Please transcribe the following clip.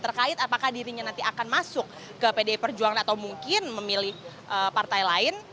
terkait apakah dirinya nanti akan masuk ke pdi perjuangan atau mungkin memilih partai lain